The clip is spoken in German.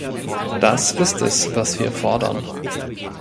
Das ist es, was wir fordern.